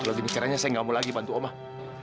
kalau dibikin aja saya nggak mau lagi bantu om pak